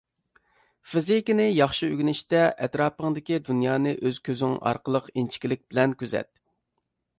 فىزىكىنى ياخشى ئۆگىنىشتە، ئەتراپىڭدىكى دۇنيانى ئۆز كۆزۈڭ ئارقىلىق ئىنچىكىلىك بىلەن كۆزەت.